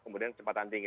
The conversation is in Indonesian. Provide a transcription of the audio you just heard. kemudian kecepatan tinggi